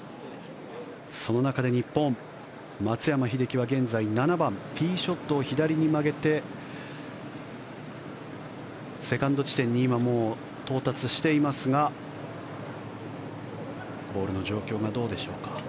その中で日本、松山英樹は現在７番ティーショットを左に曲げてセカンド地点に今もう到達していますがボールの状況がどうでしょうか。